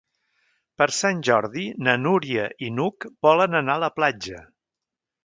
Per Sant Jordi na Núria i n'Hug volen anar a la platja.